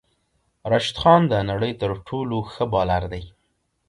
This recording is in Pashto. راشد خان د نړی تر ټولو ښه بالر دی